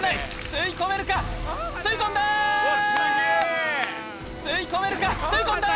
吸い込めるか吸い込んだ！